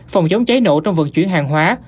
phòng chống cháy nổ trong vận chuyển hàng hóa